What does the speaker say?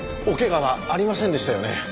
お怪我はありませんでしたよね？